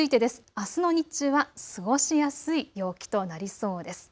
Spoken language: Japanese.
あすの日中は過ごしやすい陽気となりそうです。